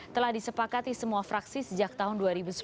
telah disepakati semua fraksi sejak tahun dua ribu sebelas